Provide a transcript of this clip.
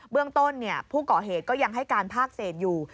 เรื่องต้นผู้ก่อเหตุก็ยังให้การภาคเศษอยู่